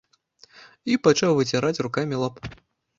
І пачаў выціраць рукамі лоб.